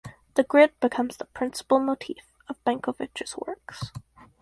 The grid becomes the principal motif of Benkovich’s works.